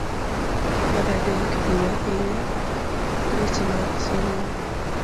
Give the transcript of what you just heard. Mar adek, jiwo ahinya weche mag somo